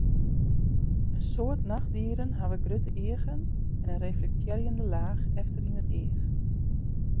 In soad nachtdieren hawwe grutte eagen en in reflektearjende laach efter yn it each.